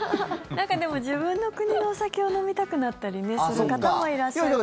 でも、自分の国のお酒を飲みたくなったりする方もいらっしゃるかもしれないですね。